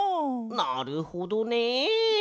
なるほどね。